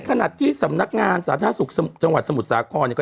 ขณะที่สำนักงานสาธารณสุขจังหวัดสมุทรสาครเนี่ย